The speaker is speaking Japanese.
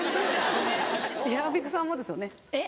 アンミカさんもですよね。えっ？